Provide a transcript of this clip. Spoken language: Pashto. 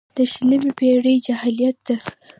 د شلمې پېړۍ جاهلیت ده.